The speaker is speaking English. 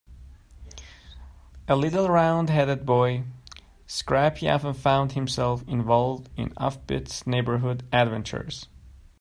A little round-headed boy, Scrappy often found himself involved in off-beat neighborhood adventures.